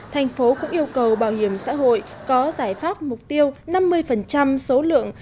tp hcm cũng yêu cầu bảo hiểm xã hội có giải pháp mục tiêu năm mươi số lượng